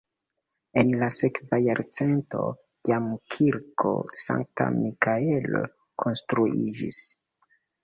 En la sekva jarcento jam kirko Sankta Mikaelo konstruiĝis.